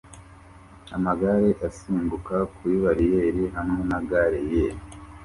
Amagare asimbuka kuri bariyeri hamwe na gare ye